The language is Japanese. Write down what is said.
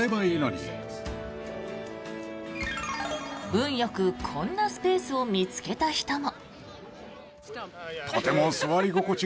運よくこんなスペースを見つけた人も。